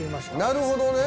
なるほどね。